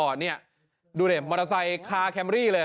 ดูเนี่ยมอเตอร์ไซค์ขาแคมครี่เลย